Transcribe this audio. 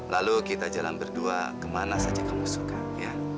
lalu kita jalan berdua kemana saja kamu suka ya